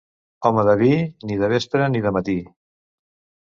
Home de vi, ni de vespre ni de matí.